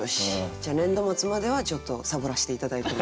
じゃあ年度末まではちょっとサボらして頂いても。